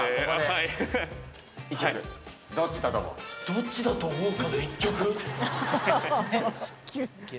どっちだと思う？